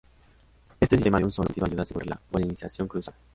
Este sistema de un solo sentido ayuda a asegurar la polinización cruzada.